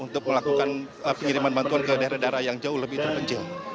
untuk melakukan pengiriman bantuan ke daerah daerah yang jauh lebih terpencil